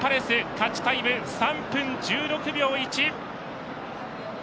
勝ちタイム３分１６秒１。